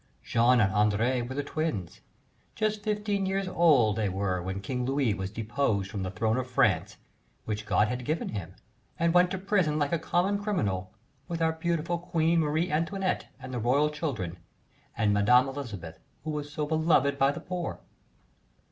Jean and André were the twins; just fifteen years old they were when King Louis was deposed from the throne of France, which God had given him, and sent to prison like a common criminal, with our beautiful Queen Marie Antoinette and the Royal children and Madame Elizabeth, who was so beloved by the poor!